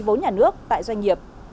vốn nhà nước tại doanh nghiệp